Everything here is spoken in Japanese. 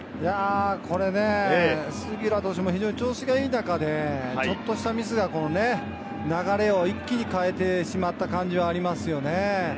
これね、杉浦投手も非常に調子がいい中でちょっとしたミスが流れが一気に変わってしまった感じはありますよね。